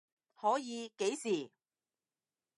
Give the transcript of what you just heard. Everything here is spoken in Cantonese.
可以，幾時？